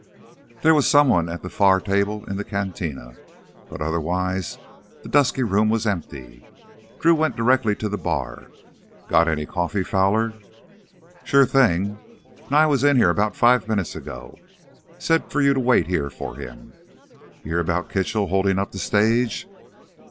There was someone at a far table in the cantina, but otherwise the dusky room was empty. Drew went directly to the bar. "Got any coffee, Fowler?" "Sure thing. Nye was in here 'bout five minutes ago. Said for you to wait here for him. You hear 'bout Kitchell holdin' up th' stage?"